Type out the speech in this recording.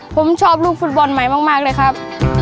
ผมชอบลูกฟุตบอลใหม่มากเลยครับ